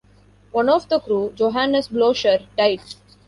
One of the crew, Johanes Blocher, died.